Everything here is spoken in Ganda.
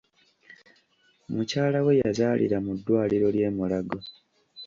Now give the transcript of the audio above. Mukyala we yazaalira mu ddwaliro ly'e Mulago.